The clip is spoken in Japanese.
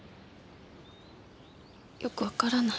よくわからない。